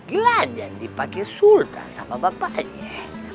gelandian dipakai sultan sama bapaknya